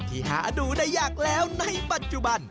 ที่หาดูได้ยากแล้วในปัจจุบัน